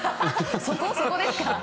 そこですか？